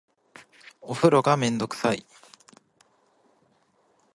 お風呂がめんどくさい